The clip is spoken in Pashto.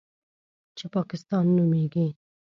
چې پاکستان نومېږي.